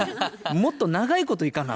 もっと長いこと行かな。